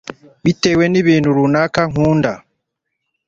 bitewe nibintu runaka akunda